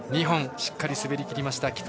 ２本しっかり滑りきりました。